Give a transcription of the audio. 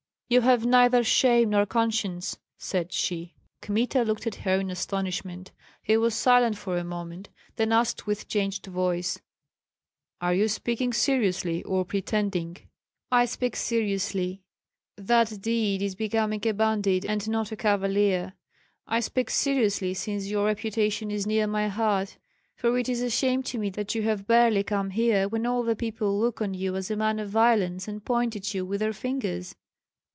"You have neither shame nor conscience!" said she. Kmita looked at her in astonishment, he was silent for a moment, then asked with changed voice, "Are you speaking seriously or pretending?" "I speak seriously; that deed is becoming a bandit and not a cavalier. I speak seriously, since your reputation is near my heart; for it is a shame to me that you have barely come here, when all the people look on you as a man of violence and point at you with their fingers."